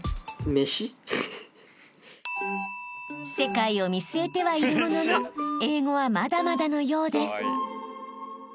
［世界を見据えてはいるものの英語はまだまだのようです］